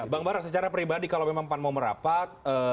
bang bara secara pribadi kalau memang pan mau merapat